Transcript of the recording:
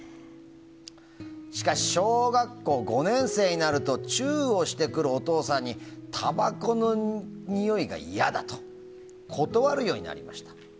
しかし、小学校５年生になるとチュウをしてくるお父さんにたばこのにおいが嫌だと断るようになりました。